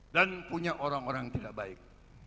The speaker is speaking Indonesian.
dan punya orang orang tidak baik